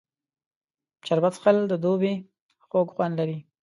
شربت څښل د دوبي خوږ خوند لري